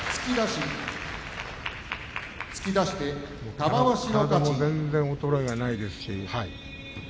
体も全然衰えがないですし。